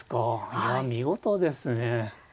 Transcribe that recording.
いや見事ですね。